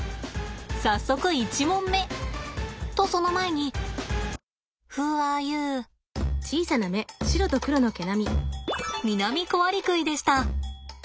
早速１問目！とその前にミナミコアリクイでした。